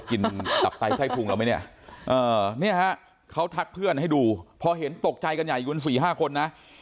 ตับไตไส้พุงเราไหมเนี่ยฮะเขาทักเพื่อนให้ดูพอเห็นตกใจกันใหญ่อยู่กัน๔๕คนนะ